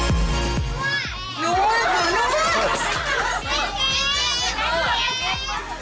หนึ่งหัวเราะ